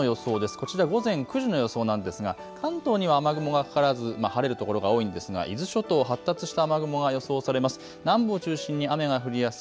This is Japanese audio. こちら午前９時の予想なんですが関東に雨雲はかからずに晴れる所が多いですが伊豆諸島発達した雨雲が予想されます。